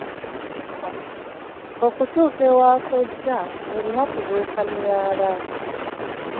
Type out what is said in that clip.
Okutuuka ewa kojja olina kubuuka myala.